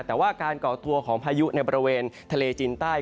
แต่ว่าการก่อตัวของพายุในบริเวณทะเลจีนใต้